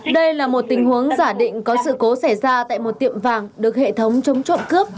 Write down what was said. đây là một tình huống giả định có sự cố xảy ra tại một tiệm vàng được hệ thống chống trộm cướp